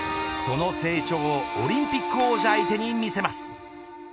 その成長をオリンピック王者相手に見せます。